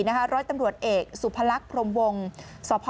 ร้อยตำรวจเอกสุพลักษณ์พรมวงศ์